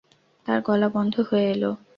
তাঁর গলা বন্ধ হয়ে এল।